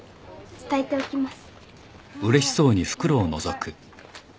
伝えておきます。